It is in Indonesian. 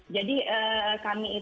jadi kami ingin